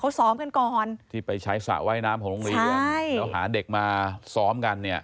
เขาซ้อมกันก่อนที่ไปใช้สระว่ายน้ำของโรงเรียนใช่แล้วหาเด็กมาซ้อมกันเนี่ย